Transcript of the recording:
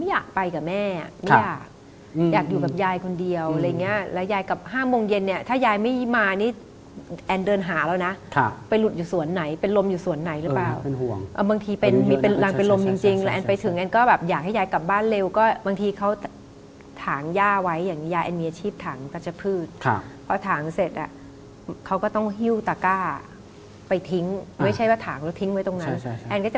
อยากให้ยายกลับห้างโมงเย็นเนี่ยถ้ายายไม่มานี่แอนเดินหาแล้วนะไปหลุดอยู่สวนไหนเป็นลมอยู่สวนไหนหรือเปล่าบางทีมีรังเป็นลมจริงแล้วแอนไปถึงแอนก็แบบอยากให้ยายกลับบ้านเร็วก็บางทีเขาถางย่าไว้อย่างเงี้ยแอนมีอาชีพถางปัจจพืชพอถางเสร็จอ่ะเขาก็ต้องหิ้วตาก้าไปทิ้งไม่ใช่ว่าถางแล้วทิ้งไว้ตรงนั้